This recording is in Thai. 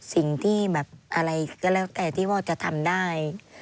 สิ่งที่แบบอะไรก็แล้วแต่ที่พ่อจะทำได้